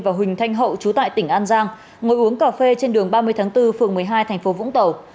và huỳnh thanh hậu chú tại tỉnh an giang ngồi uống cà phê trên đường ba mươi tháng bốn phường một mươi hai thành phố vũng tàu